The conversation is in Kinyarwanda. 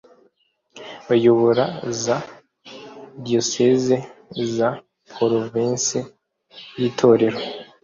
Bayobora za diyoseze za porovensi y itorero